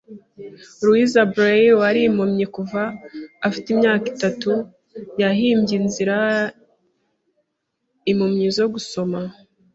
Louis S Braille, wari impumyi kuva afite imyaka itatu, yahimbye inzira impumyi zo gusoma.